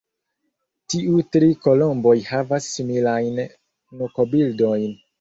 Tiu tri kolomboj havas similajn nukobildojn.